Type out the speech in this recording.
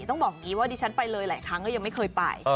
ต้องบอกอย่างนี้ว่าดิฉันไปเลยหลายครั้งก็ยังไม่เคยไป